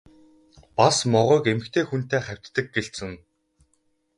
Бас могойг эмэгтэй хүнтэй хавьтдаг гэлцэнэ.